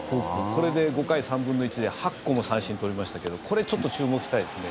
これで５回３分の１で８個も三振取りましたけどこれ、ちょっと注目したいですね。